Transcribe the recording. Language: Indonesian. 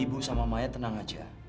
ibu sama maya tenang aja